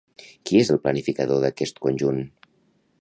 Qui és el planificador d'aquest conjunt?